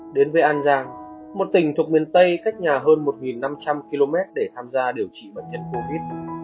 đến với an giang một tỉnh thuộc miền tây cách nhà hơn một năm trăm linh km để tham gia điều trị bệnh nhân covid